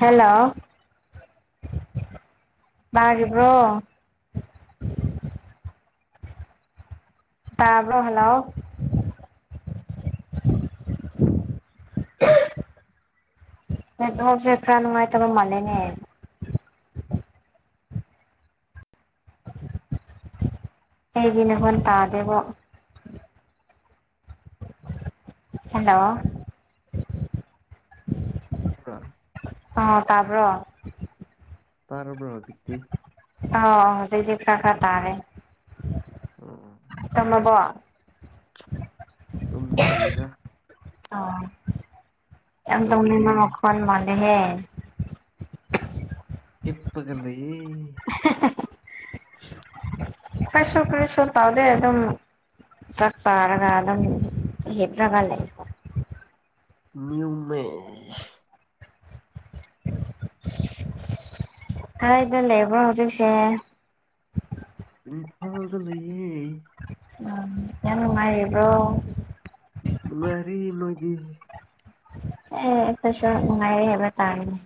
Hello ꯇꯥꯔꯤꯕ꯭ꯔꯣ ꯇꯥꯕ꯭ꯔꯣ hello. ꯅꯦꯠꯋꯛꯁꯦ ꯈꯔꯥ ꯅꯨꯡꯉꯥꯏꯇꯕ ꯃꯥꯜꯂꯦꯅꯦ꯫ ꯑꯩꯗꯤ ꯅꯈꫭꯟ ꯇꯥꯗꯦꯕꯣ꯫ ꯍꯜꯂꯣ꯫ [unintelligible] ꯇꯥꯕ꯭ꯔꫭ꯫ ꯇꯥꯔꯕ꯭ꯔꯥ ꯍꯧꯖꯤꯛꯇꯤ꯫ ꯑꯥꯎ ꯍꯧꯖꯤꯛꯗꯤ ꯈꯔ ꯈꯔ ꯇꯥꯔꯦ ꯑꯣ ꯇꯨꯝꯃꯕꯣ ꯇꯨꯝꯗꯔꯤꯗꯥ꯫ ꯑꯣ ꯌꯥꯝ ꯀꯩꯗꯧꯔꯤꯒꯦ ꯇꯨꯝꯅꯤꯡꯕ ꯃꯈꯣꯟ ꯃꯥ ꯂ‌ꯦꯍꯦ ꯍꯤꯞꯄꯒ ꯂꯩꯌꯦ꯫ ꯈꫭꯏꯁꯨ ꯀꯔꯤꯁꯨ ꯇꯧꯗꯦ ꯑꯗꯨꯝ ꯆꯥꯛ ꯆꯥꯔꯒ ꯑꯗꯨꯝ ꯍꯤꯞꯂꯒ ꯂꯩ ꯅ꯭ꯌꯨ ꯃ‌ꯦ ꯀꯥꯏꯗ ꯂꯩꯕ꯭ꯔ‌ꯣ ꯍꯧꯖꯤꯛꯁꯦ ꯏꯝꯐꯥꯜꯗ ꯂꯩꯌꯦ ꯎꯝ ꯌꯥꯝ ꯅꯨꯡꯉꯥꯏꯔꯤꯕ꯭ꯔꯣ ꯅꯨꯡꯉꯥꯏꯔꯤ ꯅꯣꯏꯗꯤ ꯑꯦ ꯑꯈ‌ꯣꯏꯁꯨ ꯅꯨꯡꯉꯥꯏꯔꯤ ꯍꯥꯏꯕ ꯇꯥꯔ‌ꯦꯅ‌ꯦ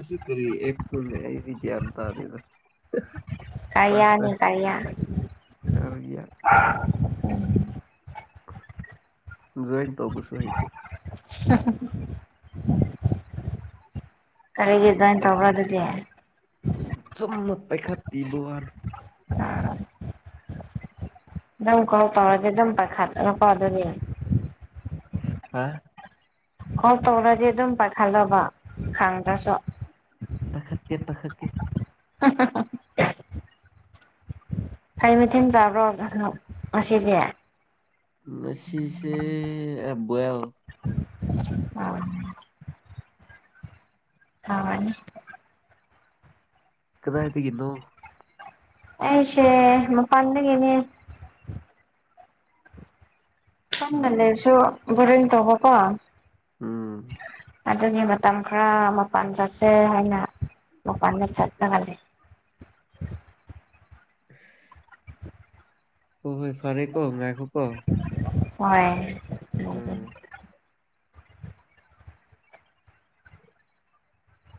ꯑꯁꯤ ꯀꯔꯤ ꯑꯦꯛꯊꯨꯅ‌ꯦ ꯑꯩꯗꯤ ꯒꯌꯥꯟ ꯇꯥꯗ‌ꯦꯗ ꯀꯥꯔꯌꯥꯅꯤ ꯀꯥꯔꯌꯥ ꯀꯔꯤꯌꯥ ꯖꯣꯏꯟ ꯇꯧꯕꯨꯁꯨꯨ ꯍꯩꯇ‌ꯦ [inaudible] ꯀꯔꯤꯒꯤ ꯆꯨꯝꯅ ꯖꯣꯏꯟ ꯇꯧꯕ꯭ꯔꯥ ꯄꯥꯏꯈꯠ ꯑꯗꯨꯗꯤ ꯑꯗꯨꯝ ꯆꯨꯝꯅ ꯄꯥꯏꯈꯠ ꯄꯤꯕ ꯋꯥꯅ‌ꯦ ꯑꯗꯨꯝ ꯀꯣꯜ ꯇꯧꯔꯗꯤ ꯑꯗꯨꯝ ꯄꯥꯏꯈꯠꯂꯒ ꯋꯥꯗꯨꯗꯤ ꯍꯥ ꯀ‌ꯣꯜ ꯇꯧꯔꯗꯤ ꯑꯗꯨꯝ ꯄꯥꯏꯈꯠꯂ‌ꯣꯕ ꯈꯪꯗ꯭ꯔꯁꯨ ꯇ‌ꯦꯠꯇ ꯍꯛꯀ‌ꯦ ꯍ ꯍ ꯍ ꯀꯩ ꯃꯊ‌ꯦꯟ ꯆꯥꯕ꯭ꯔꯣ ꯉꯁꯤꯗꯤ ꯉꯁꯤꯁꯦ ꯕꯣꯏꯜ [unintelligible] ꯑ ꯕꯣꯏꯜ ꯍꯥꯎꯔꯅꯦ ꯀꯗꯥꯏꯗꯒꯤꯅꯣ ꯑꯩꯁꯦ ꯃꯄꯥꯡꯗꯒꯤꯅꯦ ꯀꯝꯒ ꯎꯝ ꯂꯩꯔꯁꯨ ꯒ‌ꯣꯕꯤꯟ ꯇꯧꯕ ꯀꯣ ꯎꯝ ꯑꯗꯨꯒꯤ ꯃꯇꯝ ꯈꯔ ꯃꯄꯥꯟ ꯆꯠꯁꯦ ꯍꯥꯏꯅ ꯃꯄꯥꯟꯗ ꯆꯠꯂꯒ ꯂꯦ ꯎ [unintelligible] [inaudible] ꯍ‌ꯣꯏ ꯍꯣꯏ ꯐꯥꯔꯦꯀꯣ ꯉꯥꯏꯈꯣ ꯀꯣ ꯍꯣꯏ